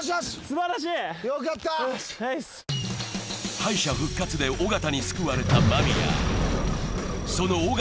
敗者復活で尾形に救われた尾形。